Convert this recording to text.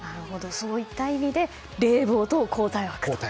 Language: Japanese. そういった意味で冷房と交代枠と。